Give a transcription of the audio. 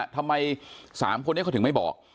ทำไม๓คนนี้เขาถึงไม่บอก